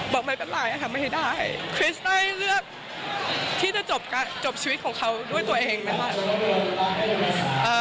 บอกไม่เป็นไรค่ะไม่ได้คริสได้เลือกที่จะจบชีวิตของเขาด้วยตัวเองไหมคะ